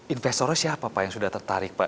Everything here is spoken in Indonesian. investornya siapa pak yang sudah tertarik pak